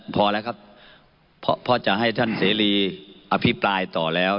พอแล้วครับเพราะจะให้ท่านเสรีอภิปรายต่อแล้ว